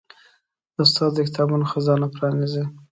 استاد د کتابونو خزانه پرانیزي.